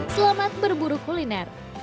selamat berburu kuliner